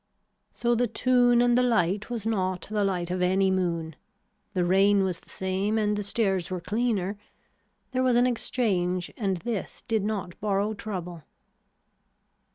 So the tune and the light was not the light of any moon. The rain was the same and the stairs were cleaner. There was an exchange and this did not borrow trouble.